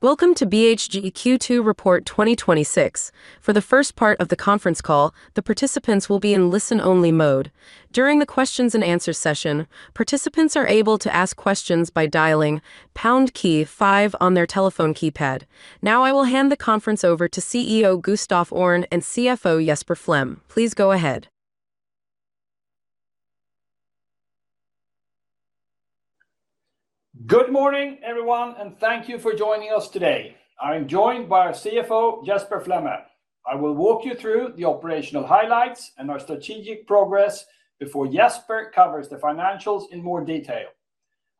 Welcome to BHG Q2 Report 2026. For the first part of the conference call, the participants will be in listen-only mode. During the questions and answers session, participants are able to ask questions by dialing pound key five on their telephone keypad. Now I will hand the conference over to CEO Gustaf Öhrn and CFO Jesper Flemme. Please go ahead. Good morning, everyone. Thank you for joining us today. I am joined by our CFO, Jesper Flemme. I will walk you through the operational highlights and our strategic progress before Jesper covers the financials in more detail.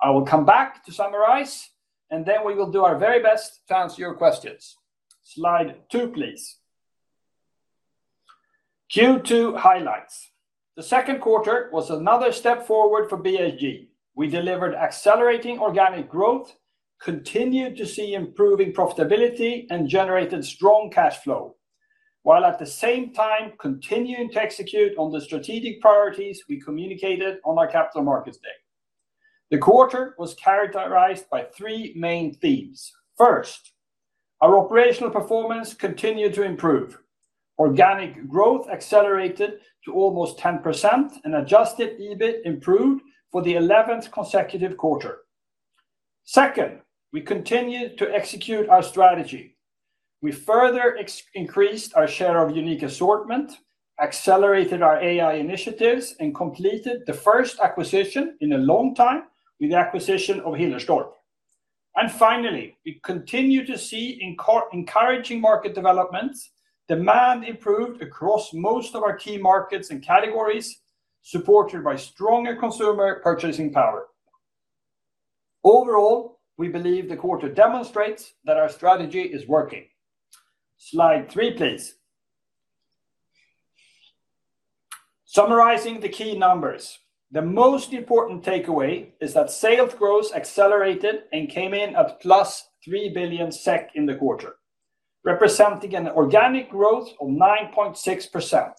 I will come back to summarize. Then we will do our very best to answer your questions. Slide two, please. Q2 highlights. The second quarter was another step forward for BHG. We delivered accelerating organic growth, continued to see improving profitability, and generated strong cash flow, while at the same time continuing to execute on the strategic priorities we communicated on our Capital Markets Day. The quarter was characterized by three main themes. First, our operational performance continued to improve. Organic growth accelerated to almost 10%, and adjusted EBIT improved for the 11th consecutive quarter. Second, we continued to execute our strategy. We further increased our share of unique assortment, accelerated our AI initiatives, and completed the first acquisition in a long time with the acquisition of Hillerstorp. Finally, we continue to see encouraging market developments. Demand improved across most of our key markets and categories, supported by stronger consumer purchasing power. Overall, we believe the quarter demonstrates that our strategy is working. Slide three, please. Summarizing the key numbers. The most important takeaway is that sales growth accelerated and came in at +3 billion SEK in the quarter, representing an organic growth of 9.6%.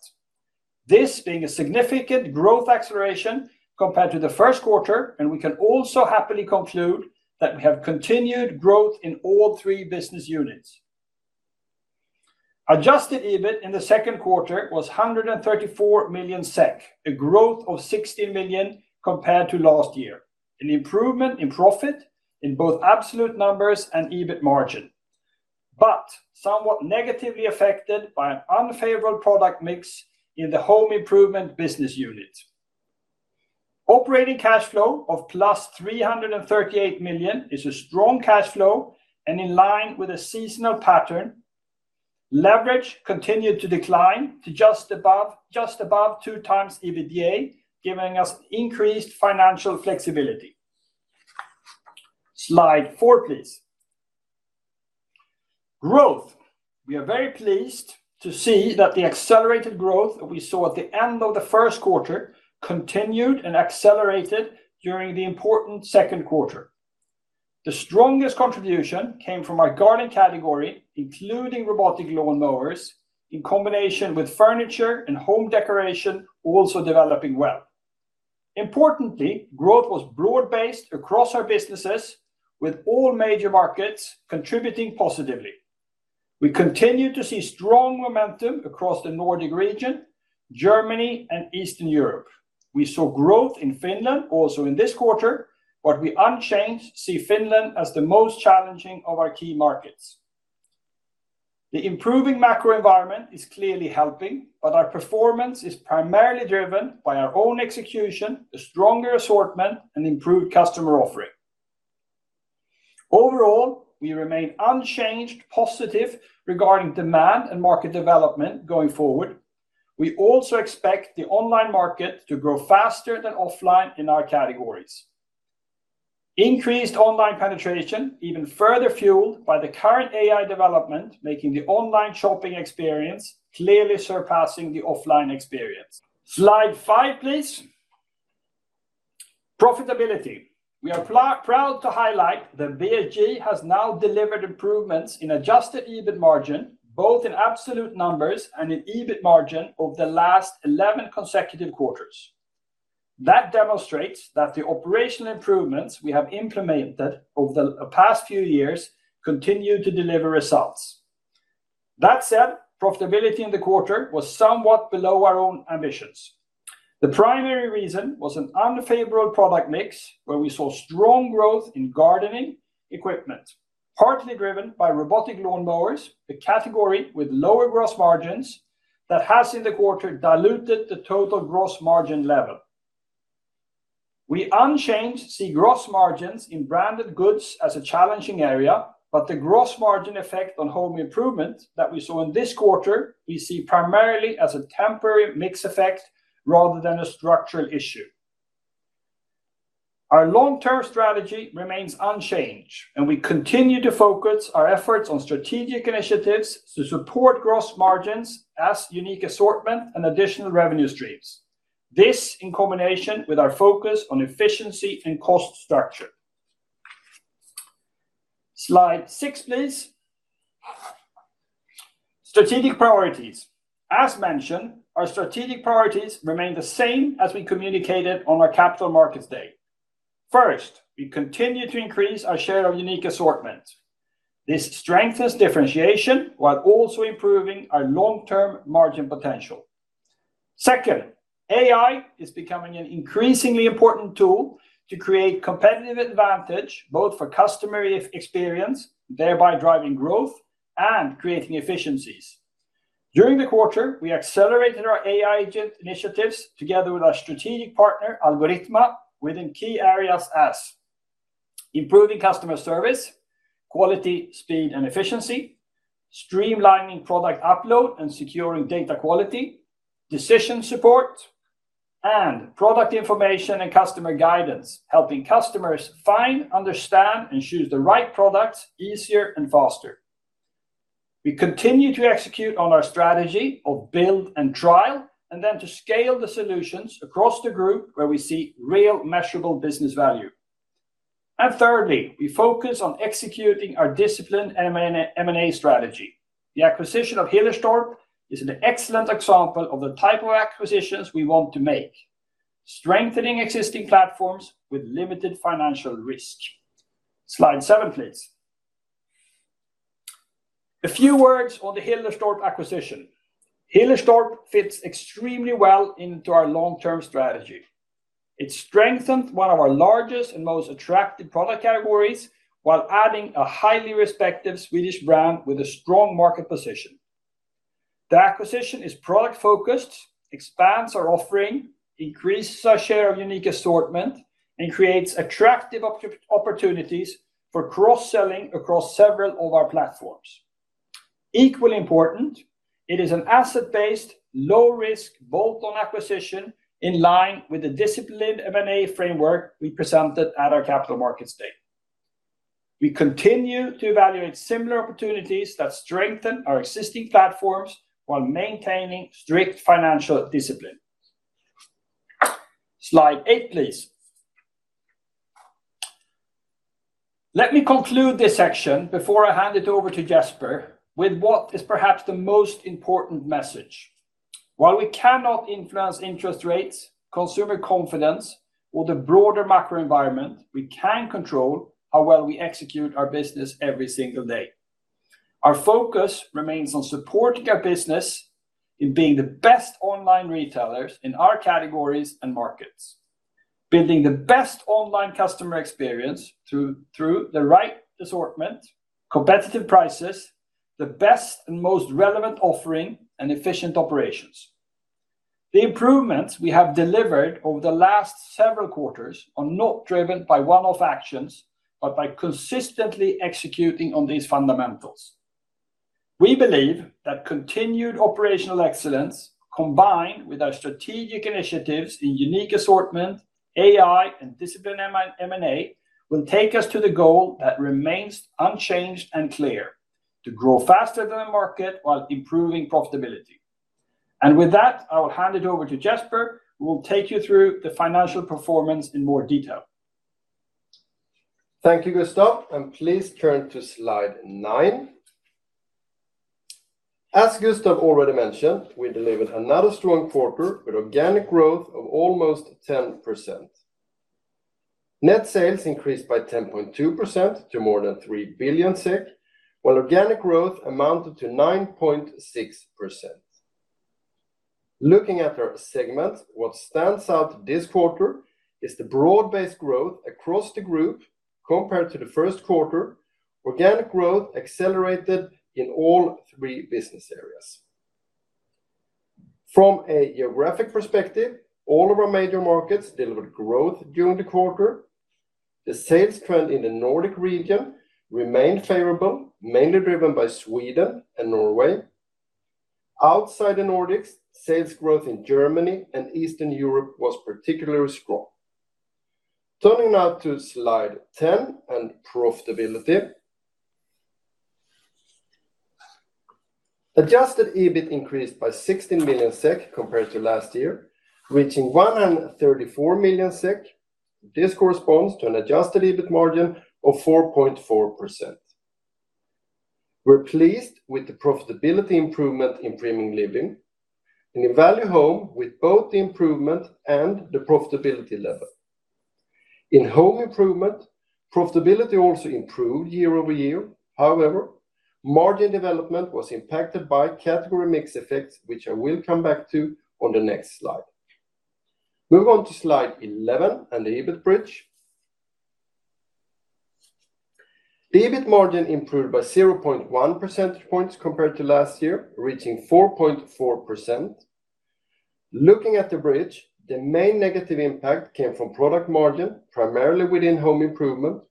This being a significant growth acceleration compared to the first quarter. We can also happily conclude that we have continued growth in all three business units. Adjusted EBIT in the second quarter was 134 million SEK, a growth of 16 million compared to last year. An improvement in profit in both absolute numbers and EBIT margin, somewhat negatively affected by an unfavorable product mix in the Home Improvement business unit. Operating cash flow of +338 million is a strong cash flow and in line with a seasonal pattern. Leverage continued to decline to just above 2x EBITDA, giving us increased financial flexibility. Slide four, please. Growth. We are very pleased to see that the accelerated growth that we saw at the end of the first quarter continued and accelerated during the important second quarter. The strongest contribution came from our garden category, including robotic lawn mowers, in combination with furniture and home decoration also developing well. Importantly, growth was broad-based across our businesses with all major markets contributing positively. We continue to see strong momentum across the Nordic region, Germany, and Eastern Europe. We saw growth in Finland also in this quarter, but we unchanged see Finland as the most challenging of our key markets. The improving macro environment is clearly helping, but our performance is primarily driven by our own execution, a stronger assortment, and improved customer offering. Overall, we remain unchanged, positive regarding demand and market development going forward. We also expect the online market to grow faster than offline in our categories. Increased online penetration even further fueled by the current AI development, making the online shopping experience clearly surpassing the offline experience. Slide five, please. Profitability. We are proud to highlight that BHG has now delivered improvements in adjusted EBIT margin, both in absolute numbers and in EBIT margin over the last 11 consecutive quarters. That demonstrates that the operational improvements we have implemented over the past few years continue to deliver results. That said, profitability in the quarter was somewhat below our own ambitions. The primary reason was an unfavorable product mix where we saw strong growth in gardening equipment, partly driven by robotic lawn mowers, a category with lower gross margins that has in the quarter diluted the total gross margin level. We unchanged see gross margins in branded goods as a challenging area, but the gross margin effect on Home Improvement that we saw in this quarter, we see primarily as a temporary mix effect rather than a structural issue. Our long-term strategy remains unchanged, and we continue to focus our efforts on strategic initiatives to support gross margins as unique assortment and additional revenue streams. This in combination with our focus on efficiency and cost structure. Slide six, please. Strategic priorities. As mentioned, our strategic priorities remain the same as we communicated on our Capital Markets Day. First, we continue to increase our share of unique assortment. This strengthens differentiation while also improving our long-term margin potential. Second, AI is becoming an increasingly important tool to create competitive advantage, both for customer experience, thereby driving growth and creating efficiencies. During the quarter, we accelerated our AI agent initiatives together with our strategic partner, Algorithma, within key areas as improving customer service, quality, speed, and efficiency, streamlining product upload and securing data quality, decision support, and product information and customer guidance, helping customers find, understand, and choose the right products easier and faster. We continue to execute on our strategy of build and trial, then to scale the solutions across the group where we see real measurable business value. Thirdly, we focus on executing our disciplined M&A strategy. The acquisition of Hillerstorp is an excellent example of the type of acquisitions we want to make, strengthening existing platforms with limited financial risk. Slide seven, please. A few words on the Hillerstorp acquisition. Hillerstorp fits extremely well into our long-term strategy. It strengthened one of our largest and most attractive product categories while adding a highly respective Swedish brand with a strong market position. The acquisition is product-focused, expands our offering, increases our share of unique assortment, and creates attractive opportunities for cross-selling across several of our platforms. Equally important, it is an asset-based, low risk, bolt-on acquisition in line with the disciplined M&A framework we presented at our Capital Markets Day. We continue to evaluate similar opportunities that strengthen our existing platforms while maintaining strict financial discipline. Slide eight, please. Let me conclude this section before I hand it over to Jesper with what is perhaps the most important message. While we cannot influence interest rates, consumer confidence, or the broader macro environment, we can control how well we execute our business every single day. Our focus remains on supporting our business in being the best online retailers in our categories and markets, building the best online customer experience through the right assortment, competitive prices, the best and most relevant offering and efficient operations. The improvements we have delivered over the last several quarters are not driven by one-off actions, but by consistently executing on these fundamentals. We believe that continued operational excellence, combined with our strategic initiatives in unique assortment, AI, and disciplined M&A, will take us to the goal that remains unchanged and clear: to grow faster than the market while improving profitability. With that, I will hand it over to Jesper, who will take you through the financial performance in more detail. Thank you, Gustaf. Please turn to slide nine. As Gustaf already mentioned, we delivered another strong quarter with organic growth of almost 10%. Net sales increased by 10.2% to more than 3 billion, while organic growth amounted to 9.6%. Looking at our segments, what stands out this quarter is the broad-based growth across the group compared to the first quarter. Organic growth accelerated in all three business areas. From a geographic perspective, all of our major markets delivered growth during the quarter. The sales trend in the Nordic region remained favorable, mainly driven by Sweden and Norway. Outside the Nordics, sales growth in Germany and Eastern Europe was particularly strong. Turning now to slide 10 and profitability. Adjusted EBIT increased by 16 million SEK compared to last year, reaching 134 million SEK. This corresponds to an adjusted EBIT margin of 4.4%. We're pleased with the profitability improvement in Premium Living and in Value Home with both the improvement and the profitability level. In Home Improvement, profitability also improved year-over-year. However, margin development was impacted by category mix effects, which I will come back to on the next slide. Move on to slide 11 and the EBIT bridge. The EBIT margin improved by 0.1 percentage points compared to last year, reaching 4.4%. Looking at the bridge, the main negative impact came from product margin, primarily within Home Improvement.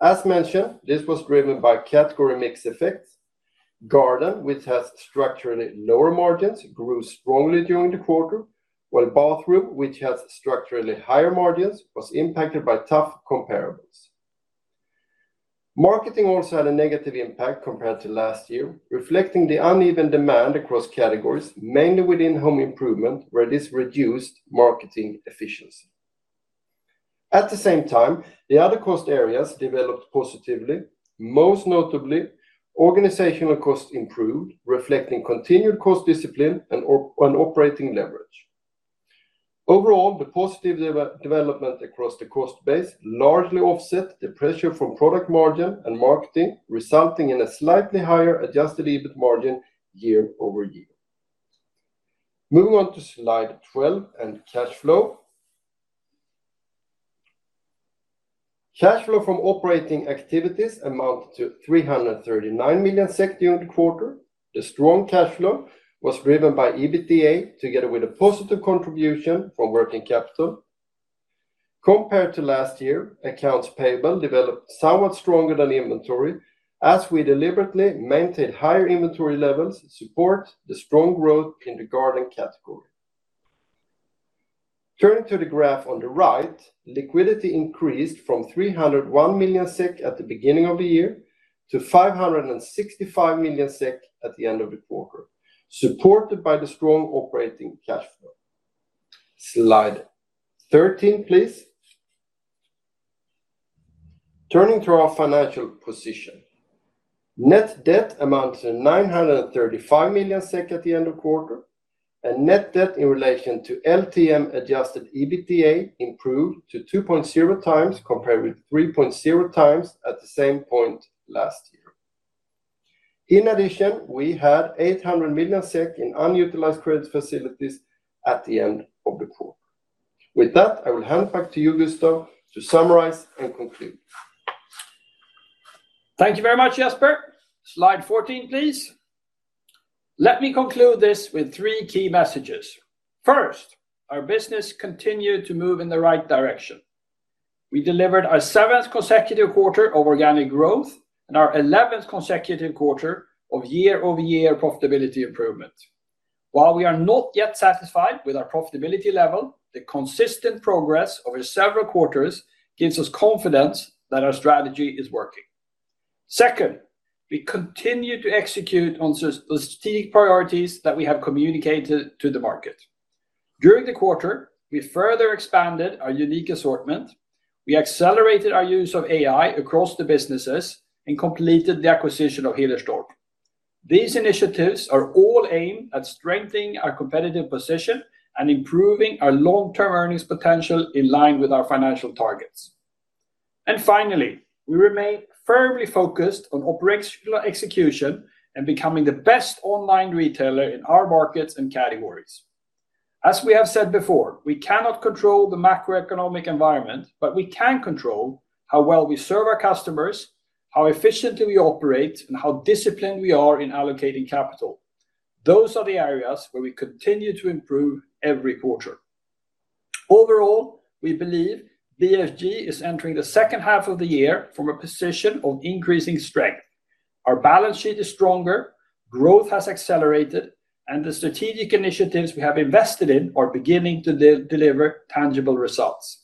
As mentioned, this was driven by category mix effects. Garden, which has structurally lower margins, grew strongly during the quarter, while Bathroom, which has structurally higher margins, was impacted by tough comparables. Marketing also had a negative impact compared to last year, reflecting the uneven demand across categories, mainly within Home Improvement, where this reduced marketing efficiency. At the same time, the other cost areas developed positively, most notably organizational cost improved, reflecting continued cost discipline and operating leverage. Overall, the positive development across the cost base largely offset the pressure from product margin and marketing, resulting in a slightly higher adjusted EBIT margin year-over-year. Moving on to slide 12 and cash flow. Cash flow from operating activities amounted to 339 million SEK during the quarter. The strong cash flow was driven by EBITDA together with a positive contribution from working capital. Compared to last year, accounts payable developed somewhat stronger than inventory as we deliberately maintained higher inventory levels to support the strong growth in the garden category. Turning to the graph on the right, liquidity increased from 301 million SEK at the beginning of the year to 565 million SEK at the end of the quarter, supported by the strong operating cash flow. Slide 13, please. Turning to our financial position. Net debt amounted to 935 million SEK at the end of the quarter, and net debt in relation to LTM adjusted EBITDA improved to 2.0x compared with 3.0x at the same point last year. In addition, we had 800 million SEK in unutilized credit facilities at the end of the quarter. With that, I will hand it back to you, Gustaf, to summarize and conclude. Thank you very much, Jesper. Slide 14, please. Let me conclude this with three key messages. First, our business continued to move in the right direction. We delivered our seventh consecutive quarter of organic growth and our 11th consecutive quarter of year-over-year profitability improvement. While we are not yet satisfied with our profitability level, the consistent progress over several quarters gives us confidence that our strategy is working. Second, we continue to execute on strategic priorities that we have communicated to the market. During the quarter, we further expanded our unique assortment. We accelerated our use of AI across the businesses and completed the acquisition of Hillerstorp. These initiatives are all aimed at strengthening our competitive position and improving our long-term earnings potential in line with our financial targets. Finally, we remain firmly focused on operational execution and becoming the best online retailer in our markets and categories. As we have said before, we cannot control the macroeconomic environment, but we can control how well we serve our customers, how efficiently we operate, and how disciplined we are in allocating capital. Those are the areas where we continue to improve every quarter. Overall, we believe BHG is entering the second half of the year from a position of increasing strength. Our balance sheet is stronger, growth has accelerated, and the strategic initiatives we have invested in are beginning to deliver tangible results.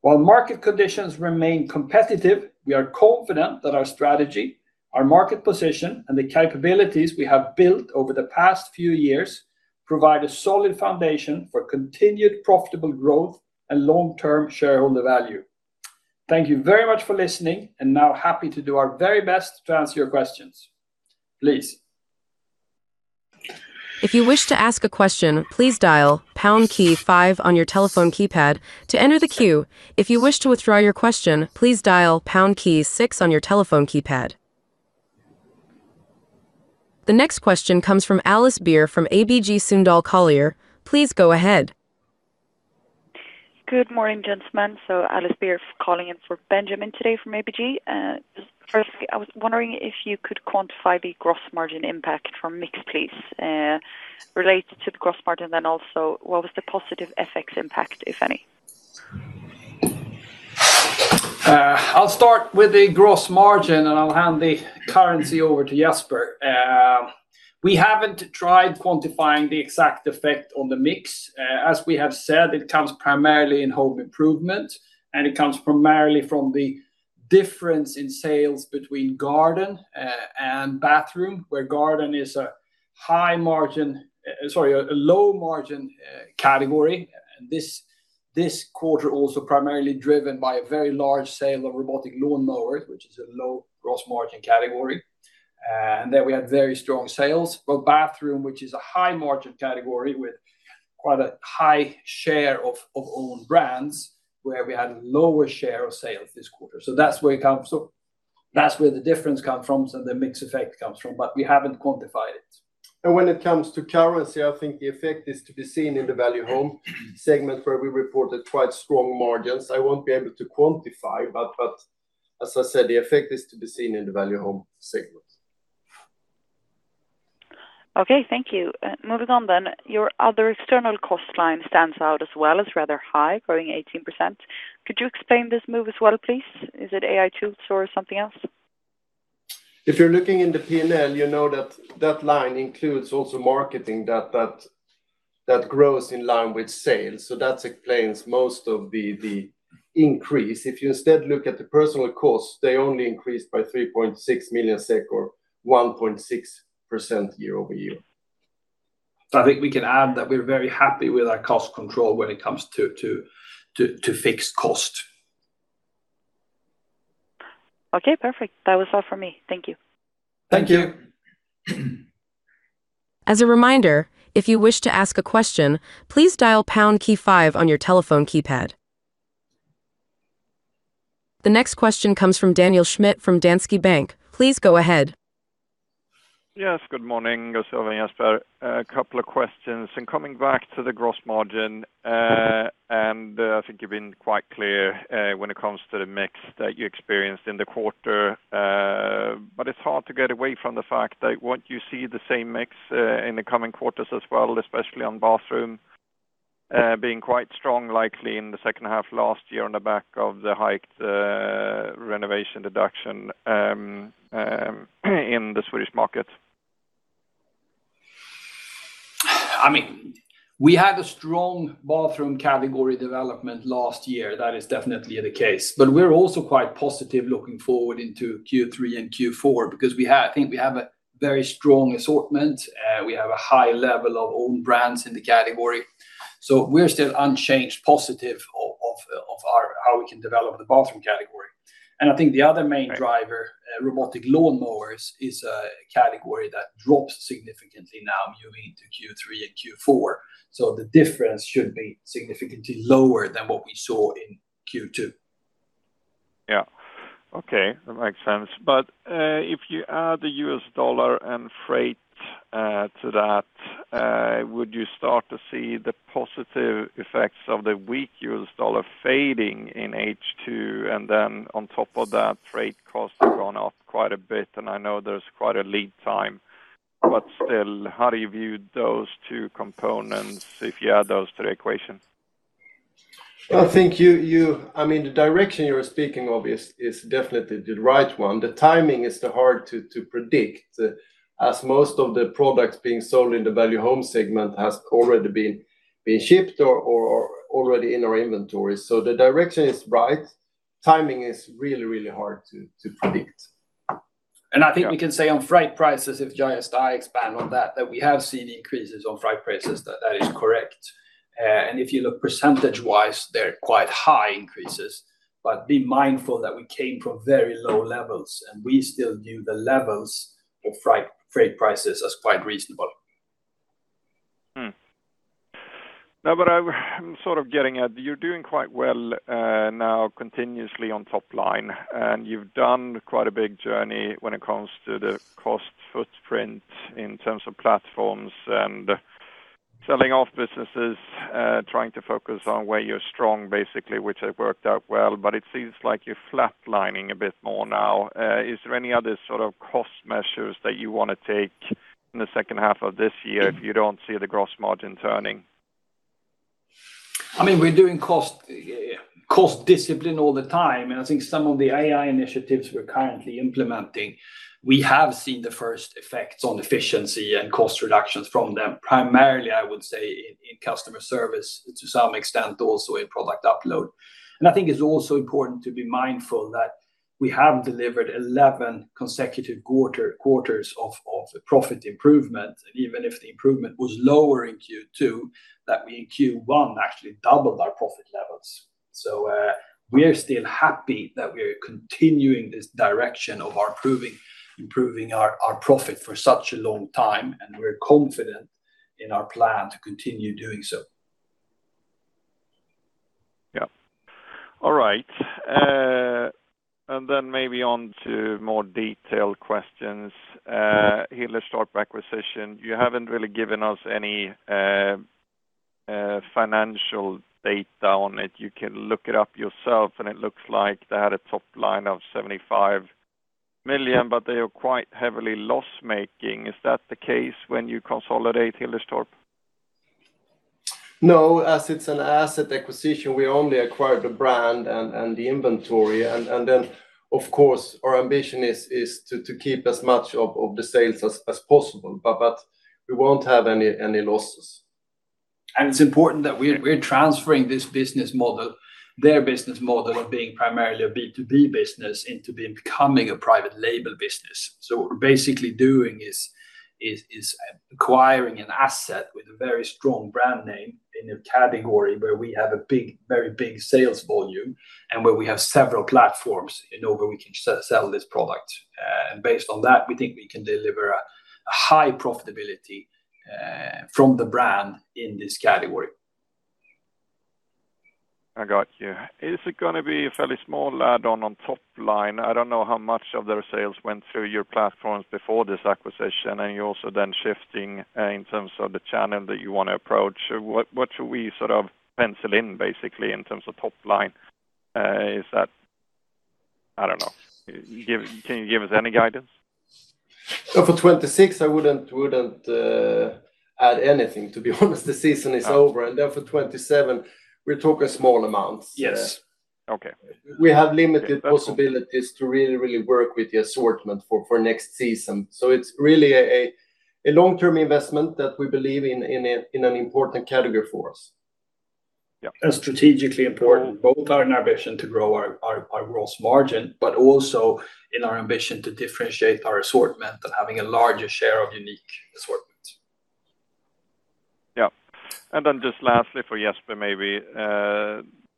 While market conditions remain competitive, we are confident that our strategy, our market position, and the capabilities we have built over the past few years provide a solid foundation for continued profitable growth and long-term shareholder value. Thank you very much for listening, and now happy to do our very best to answer your questions. Please. If you wish to ask a question, please dial pound key five on your telephone keypad to enter the queue. If you wish to withdraw your question, please dial pound key six on your telephone keypad. The next question comes from Alice Beer from ABG Sundal Collier. Please go ahead. Good morning, gentlemen. Alice Beer calling in for Benjamin today from ABG. I was wondering if you could quantify the gross margin impact from mix, please related to the gross margin. Also, what was the positive FX impact, if any? I'll start with the gross margin, and I'll hand the currency over to Jesper. We haven't tried quantifying the exact effect on the mix. As we have said, it comes primarily in Home Improvement, and it comes primarily from the difference in sales between Garden and Bathroom, where garden is a low margin category. This quarter also primarily driven by a very large sale of robotic lawnmowers, which is a low gross margin category. There we had very strong sales. Bathroom, which is a high margin category with quite a high share of own brands, where we had a lower share of sales this quarter. That's where the difference comes from and the mix effect comes from, but we haven't quantified it. When it comes to currency, I think the effect is to be seen in the Value Home segment where we reported quite strong margins. I won't be able to quantify, as I said, the effect is to be seen in the Value Home segment. Okay, thank you. Moving on. Your other external cost line stands out as well as rather high, growing 18%. Could you explain this move as well, please? Is it AI tools or something else? If you're looking in the P&L, you know that that line includes also marketing that grows in line with sales. That explains most of the increase. If you instead look at the personal costs, they only increased by 3.6 million SEK or 1.6% year-over-year. I think we can add that we're very happy with our cost control when it comes to fixed cost. Okay, perfect. That was all for me. Thank you. Thank you. As a reminder, if you wish to ask a question, please dial pound key five on your telephone keypad. The next question comes from Daniel Schmidt from Danske Bank. Please go ahead. Yes, good morning, Gustaf and Jesper. A couple of questions. Coming back to the gross margin, I think you've been quite clear when it comes to the mix that you experienced in the quarter. It's hard to get away from the fact that what you see the same mix in the coming quarters as well, especially on Bathroom, being quite strong, likely in the second half last year on the back of the hiked renovation deduction in the Swedish market. We had a strong Bathroom category development last year. That is definitely the case. We're also quite positive looking forward into Q3 and Q4 because I think we have a very strong assortment. We have a high level of own brands in the category, so we're still unchanged, positive of how we can develop the bathroom category. I think the other main driver, robotic lawnmowers, is a category that drops significantly now moving to Q3 and Q4. The difference should be significantly lower than what we saw in Q2. Yeah. Okay. That makes sense. If you add the US dollar and freight to that, would you start to see the positive effects of the weak US dollar fading in H2? On top of that, freight costs have gone up quite a bit, and I know there's quite a lead time, but still, how do you view those two components if you add those to the equation? I think the direction you're speaking of is definitely the right one. The timing is hard to predict, as most of the products being sold in the Value Home segment has already been shipped or are already in our inventory. The direction is right. Timing is really hard to predict. I think we can say on freight prices, if I expand on that we have seen increases on freight prices, that is correct. If you look percentage-wise, they're quite high increases. Be mindful that we came from very low levels, and we still view the levels of freight prices as quite reasonable. I'm sort of getting at, you're doing quite well now continuously on top line, and you've done quite a big journey when it comes to the cost footprint in terms of platforms and selling off businesses, trying to focus on where you're strong, basically, which has worked out well, but it seems like you're flatlining a bit more now. Is there any other sort of cost measures that you want to take in the second half of this year if you don't see the gross margin turning? We're doing cost discipline all the time, I think some of the AI initiatives we're currently implementing, we have seen the first effects on efficiency and cost reductions from them. Primarily, I would say in customer service, to some extent also in product upload. I think it's also important to be mindful that we have delivered 11 consecutive quarters of profit improvement, even if the improvement was lower in Q2, that we in Q1 actually doubled our profit levels. We are still happy that we are continuing this direction of improving our profit for such a long time, and we're confident in our plan to continue doing so. Yeah. All right. Then maybe on to more detailed questions. Hillerstorp acquisition, you haven't really given us any financial data on it. You can look it up yourself, and it looks like they had a top line of 75 million, they are quite heavily loss-making. Is that the case when you consolidate Hillerstorp? No, as it's an asset acquisition, we only acquired the brand and the inventory. Then, of course, our ambition is to keep as much of the sales as possible. We won't have any losses. It's important that we're transferring this business model, their business model of being primarily a B2B business into becoming a private label business. What we're basically doing is acquiring an asset with a very strong brand name in a category where we have a very big sales volume and where we have several platforms in which we can sell this product. Based on that, we think we can deliver a high profitability from the brand in this category. I got you. Is it going to be a fairly small add on top line? I don't know how much of their sales went through your platforms before this acquisition, and you're also then shifting in terms of the channel that you want to approach. What should we pencil in, basically, in terms of top line? Is that I don't know. Can you give us any guidance? For 2026, I wouldn't add anything, to be honest. The season is over. For 2027, we're talking small amounts. Yes. Okay. We have limited possibilities to really work with the assortment for next season. It's really a long-term investment that we believe in an important category for us. Strategically important both in our ambition to grow our gross margin, but also in our ambition to differentiate our assortment and having a larger share of unique assortments. Just lastly for Jesper maybe,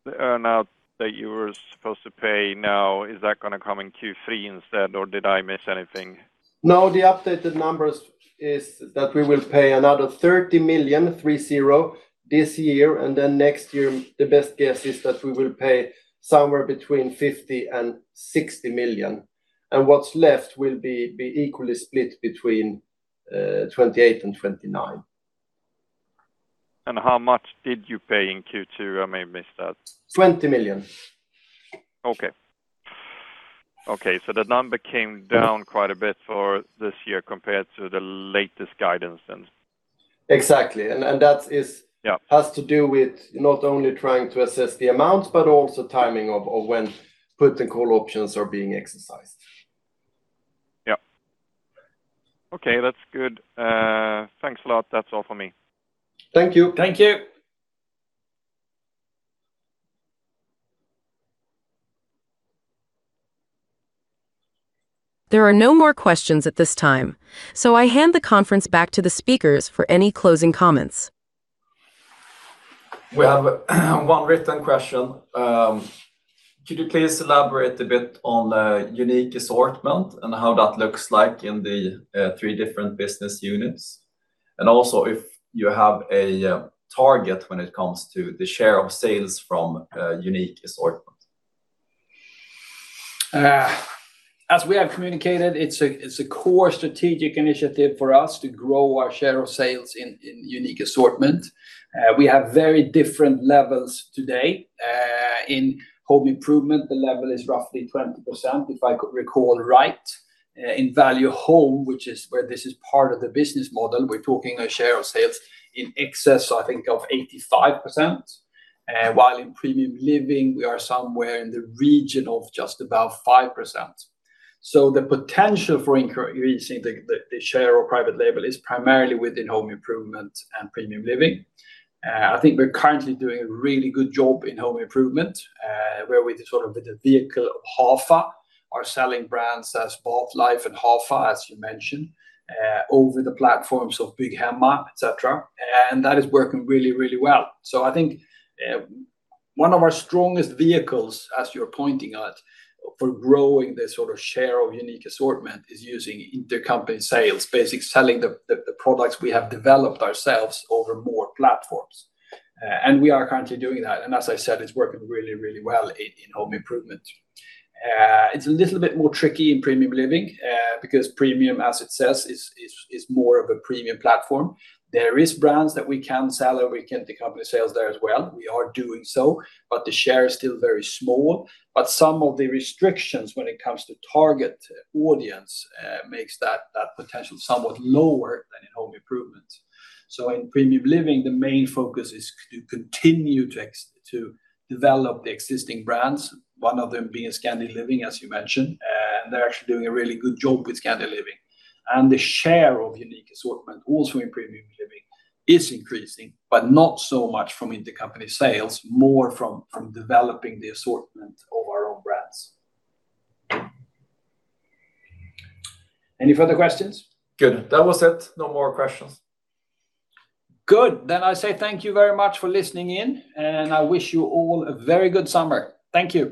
the earn-out that you were supposed to pay now, is that going to come in Q3 instead, or did I miss anything? The updated numbers is that we will pay another 30 million this year, next year, the best guess is that we will pay somewhere between 50 million and 60 million. What's left will be equally split between 2028 and 2029. How much did you pay in Q2? I may have missed that. 20 million. Okay. The number came down quite a bit for this year compared to the latest guidance then. Exactly. Yeah It has to do with not only trying to assess the amounts, but also timing of when put and call options are being exercised. Yeah. Okay. That's good. Thanks a lot. That's all for me. Thank you. Thank you. There are no more questions at this time, so I hand the conference back to the speakers for any closing comments. We have one written question. Could you please elaborate a bit on the unique assortment and how that looks like in the three different business units? Also if you have a target when it comes to the share of sales from unique assortment. As we have communicated, it's a core strategic initiative for us to grow our share of sales in unique assortment. We have very different levels today. In Home Improvement, the level is roughly 20%, if I recall right. In Value Home, which is where this is part of the business model, we're talking a share of sales in excess, I think, of 85%. While in Premium Living, we are somewhere in the region of just about 5%. The potential for increasing the share of private label is primarily within Home Improvement and Premium Living. I think we're currently doing a really good job in Home Improvement, where with the vehicle of Hafa are selling brands as Bathlife and Hafa, as you mentioned, over the platforms of Bygghemma, et cetera. That is working really well. I think one of our strongest vehicles, as you're pointing at, for growing the share of unique assortment is using intercompany sales, basically selling the products we have developed ourselves over more platforms. We are currently doing that. As I said, it's working really well in Home Improvement. It's a little bit more tricky in Premium Living, because premium, as it says, is more of a premium platform. There is brands that we can sell or we can take company sales there as well. We are doing so, but the share is still very small. Some of the restrictions when it comes to target audience makes that potential somewhat lower than in Home Improvement. In Premium Living, the main focus is to continue to develop the existing brands, one of them being Scandi Living, as you mentioned. They're actually doing a really good job with Scandi Living. The share of unique assortment also in Premium Living is increasing, but not so much from intercompany sales, more from developing the assortment of our own brands. Any further questions? Good. That was it. No more questions. Good. I say thank you very much for listening in, and I wish you all a very good summer. Thank you.